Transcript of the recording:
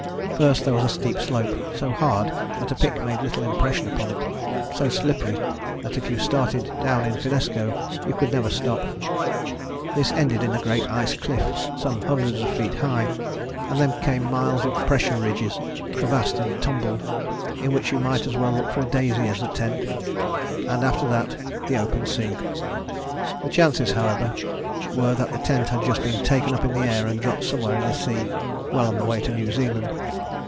First there was a steep slope, so hard that a pick made little impression upon it, so slippery that if you started down in finnesko you never could stop: this ended in a great ice cliff some hundreds of feet high, and then came miles of pressure ridges, crevassed and tumbled, in which you might as well look for a daisy as a tent: and after that the open sea. The chances, however, were that the tent had just been taken up into the air and dropped somewhere in this sea well on the way to New Zealand.